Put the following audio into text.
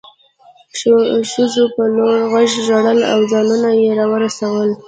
ښځو په لوړ غږ ژړل او ځانونه یې راورسول